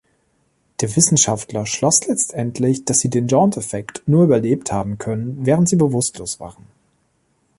Der Wissenschaftler schloss letztendlich, dass sie den „Jaunt Effect“ nur überlebt haben können, während sie bewusstlos waren.